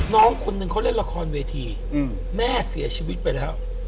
น้องคนนึงเขาเล่นละครเวทีแม่เสียชีวิตไปแล้ว